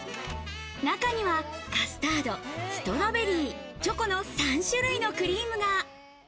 中にはカスタード、ストロベリー、チョコの３種類のクリームが。